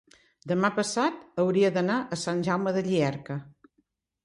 demà passat hauria d'anar a Sant Jaume de Llierca.